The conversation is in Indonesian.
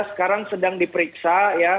sekarang sedang diperiksa ya